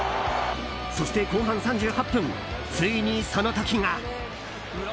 そして、後半３８分ついにその時が。